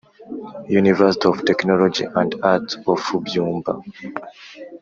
university of technology and arts of byumba